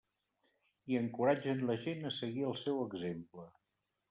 I encoratgen la gent a seguir el seu exemple.